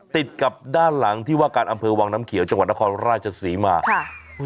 ติดกับด้านหลังที่ว่าการอำเภอวังน้ำเขียวจังหวัดนครราชศรีมาค่ะ